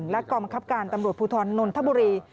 และกองบังคับการตำรวจภูทรนนทบุรี